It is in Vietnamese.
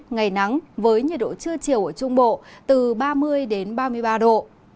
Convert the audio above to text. ngày nắng với nhiệt độ chưa chiều ở trung bộ từ ba mươi đến ba mươi ba độ